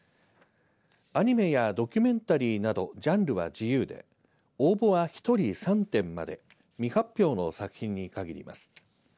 アニメやドキュメンタリーなどジャンルは自由で応募は１人３点まで未発表の作品にかぎります。